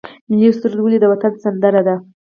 ملي سرود ولې د وطن سندره ده؟